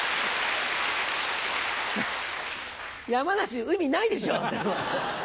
山梨海ないでしょう。